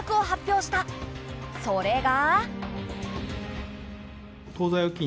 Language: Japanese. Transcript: それが。